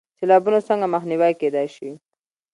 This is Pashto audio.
سیلابونه څنګه مخنیوی کیدی شي؟